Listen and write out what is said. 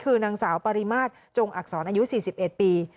คือนางสาวปริมาตรจงอักษรอายุ๔๑ปี